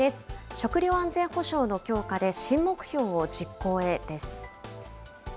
食料安全保障の強化で新目標を実行へです。